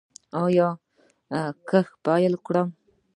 آیا کښت پیل کړو؟